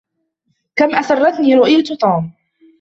كم أسرّتني رؤية توم.